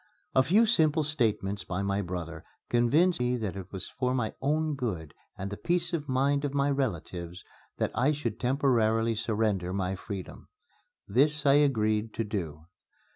A few simple statements by my brother convinced me that it was for my own good and the peace of mind of my relatives that I should temporarily surrender my freedom. This I agreed to do.